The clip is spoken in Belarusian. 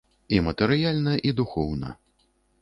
І матэрыяльна, і духоўна.